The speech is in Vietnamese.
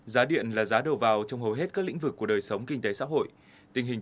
giá điện là giá đầu vào trong hầu hết các lĩnh vực của đời sống kinh tế xã hội tình hình